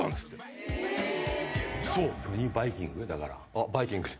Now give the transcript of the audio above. あっ『バイキング』。